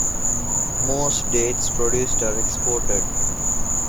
Most dates produced are exported.